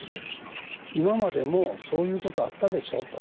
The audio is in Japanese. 今までもそういうことあったでしょと。